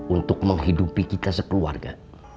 untuk menghidupi kita sekeluarga